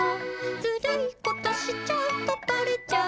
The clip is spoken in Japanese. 「ずるいことしちゃうとバレちゃうよ」